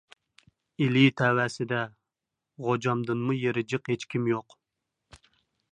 ئىلى تەۋەسىدە غوجامدىنمۇ يېرى جىق ھېچكىم يوق.